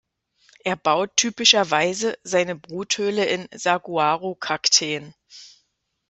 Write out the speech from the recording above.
Er baut typischerweise seine Bruthöhle in Saguaro-Kakteen.